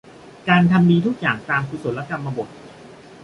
การทำความดีทุกอย่างตามกุศลกรรมบถ